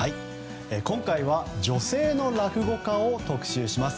今回は女性の落語家を特集します。